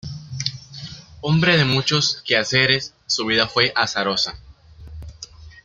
Hombre de muchos quehaceres, su vida fue azarosa.